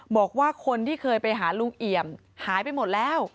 บอกว่าคนที่เคยไปหาลุงเอี่ยมหายไปหมดแล้ว